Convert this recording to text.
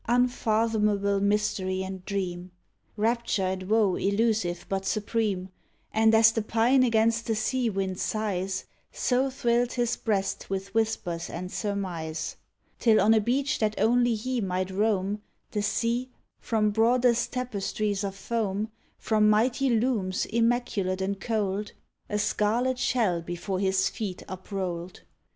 Unfathomable mystery and dream, — Rapture and woe illusive but supreme; And as the pine against the sea wind sighs. So thrilled his breast with whispers and surmise. Till, on a beach that only he might roam, The sea, from broadest tapestries of foam, From mighty looms immaculate and cold, A scarlet shell before his feet uprolled.